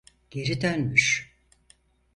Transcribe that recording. Geri dönmüş.